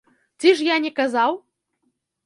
Ці ж я не казаў?!